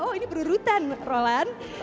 oh ini berurutan roland